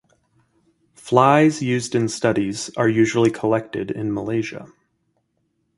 Flies used in studies are usually collected in Malaysia.